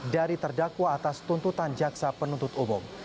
dari terdakwa atas tuntutan jaksa penuntut umum